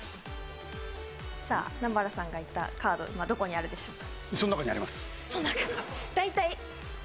さあ、南原さんが引いたカードはどこにあるでしょうか？